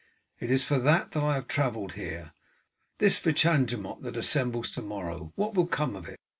It is for that that I have travelled here. This Witenagemot that assembles to morrow what will come of it?"